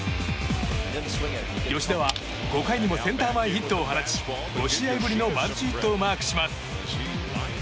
吉田は５回にもセンター前ヒットを放ち５試合ぶりのマルチヒットをマークします。